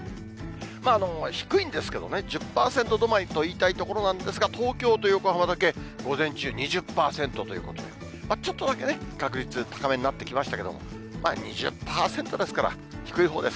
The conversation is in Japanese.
低いんですけどね、１０％止まりと言いたいところなんですが、東京と横浜だけ午前中２０％ということで、ちょっとだけね、確率高めになってきましたけれども、２０％ですから、低いほうです。